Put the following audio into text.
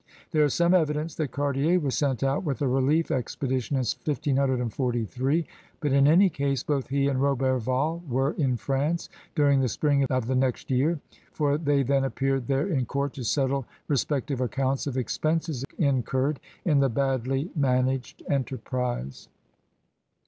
There is some evidence that Cartier was sent out with a relief expedition in 1543, but in any case, both he and Roberval were A VOYAGEUB OP BRITTANY 29 in France during the spring of the next year, for they then appeared there in court to settle respec tive accounts of expenses incurred in the badly managed enterprise.